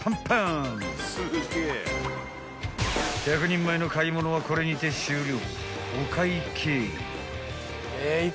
［１００人前の買い物はこれにて終了］